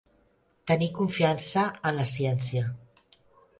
Tenir confiança en la ciència.